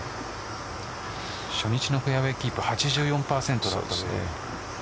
初日のフェアウエーキープ８４％だったんですね。